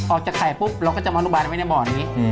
ออกจากไข่ปุ๊บเราก็จะมาอนุบาลไว้ในบ่อนี้